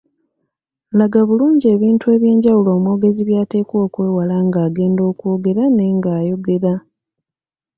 Laga bulungi ebintu eby’enjawulo omwogezi by’ateekwa okwewala nga agenda okwogera ne nga ayogera.